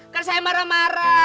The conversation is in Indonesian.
kan saya marah marah